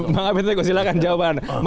bang abid tengku silahkan jawabannya